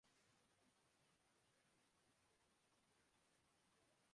محمد Hafeez bowling test کیلئے England روانہ